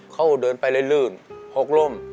เขาก็เดินไปเลยลื่น๖ร่ม